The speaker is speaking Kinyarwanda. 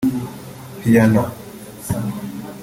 Pianno